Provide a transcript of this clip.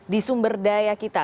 di sumber daya kita